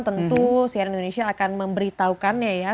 tentu cnn indonesia akan memberitahukannya ya